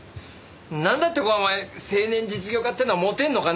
なんだってこうお前青年実業家っていうのはモテるのかね？